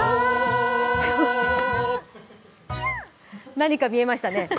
何か見えましたね。